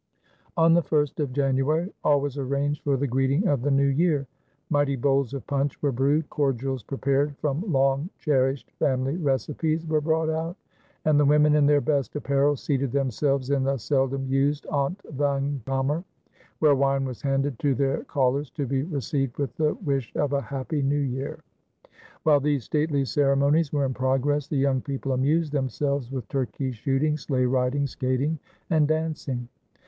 On the 1st of January all was arranged for the greeting of the New Year. Mighty bowls of punch were brewed, cordials prepared from long cherished family recipes were brought out, and the women, in their best apparel, seated themselves in the seldom used ontvangkamer, where wine was handed to their callers to be received with the wish of a "Happy New Year!" While these stately ceremonies were in progress the young people amused themselves with turkey shooting, sleigh riding, skating, and dancing.